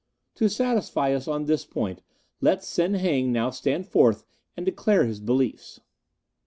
To satisfy us on this point let Sen Heng now stand forth and declare his beliefs.